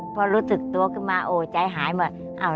พอรู้สึกตัวขึ้นมาโอ้ใจหายหมด